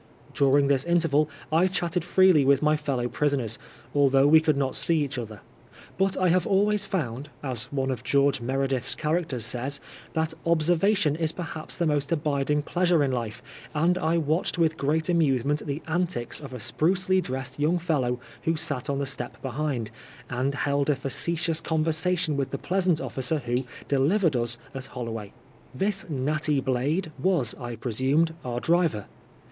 During this interval I chatted freely with my fellow prisoners, although we could not see «ach other. But I have always found, as one of George Meredith's characters says, that observation is perhaps the most abiding pleasure in life, and I watched with great amusement the antics of a sprucely dressed young fellow who sat on the step behind, and held a facetious ^conversation with the pleasant officer who " delivered " us at Holloway. This natty blade was, I presumed, our driver.